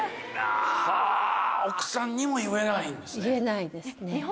奥さんにも言えないんですね。